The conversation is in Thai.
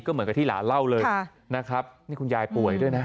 เหมือนกับที่หลานเล่าเลยนะครับนี่คุณยายป่วยด้วยนะ